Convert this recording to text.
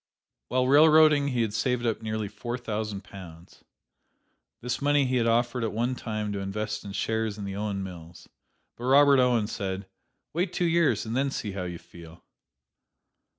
While railroading he had saved up nearly four hundred pounds. This money he had offered at one time to invest in shares in the Owen mills. But Robert Owen said, "Wait two years and then see how you feel!"